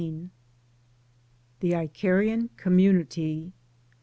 THE ICARIAN COMMUNITY.